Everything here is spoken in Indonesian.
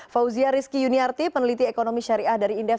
fauzia rizky yuniarti peneliti ekonomi syariah dari indef